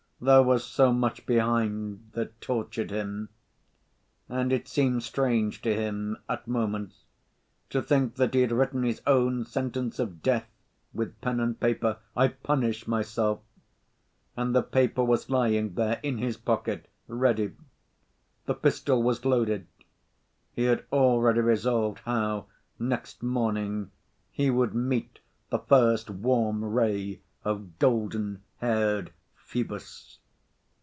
There was so much behind that tortured him. And it seemed strange to him, at moments, to think that he had written his own sentence of death with pen and paper: "I punish myself," and the paper was lying there in his pocket, ready; the pistol was loaded; he had already resolved how, next morning, he would meet the first warm ray of "golden‐haired Phœbus."